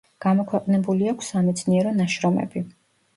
გამოქვეყნებული აქვს სამეცნიერო ნაშრომები.